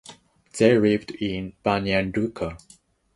They live in Banja Luka.